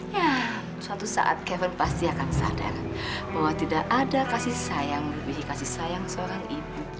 ya suatu saat kever pasti akan sadar bahwa tidak ada kasih sayang lebih kasih sayang seorang ibu